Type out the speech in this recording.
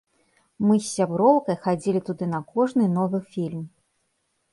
Мы з сяброўкай хадзілі туды на кожны новы фільм.